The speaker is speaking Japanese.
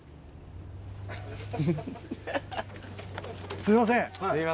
すいません。